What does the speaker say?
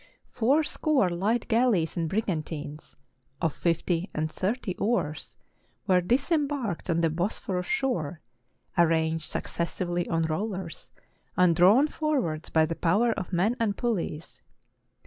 Fourscore light galleys and brigantines, of fifty and thirty oars, were disembarked on the Bosphorus shore; arranged succes sively on rollers; and drawn forwards by the power of men and pulleys.